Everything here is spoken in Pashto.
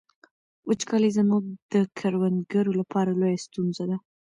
وچکالي زموږ د کروندګرو لپاره لویه ستونزه ده.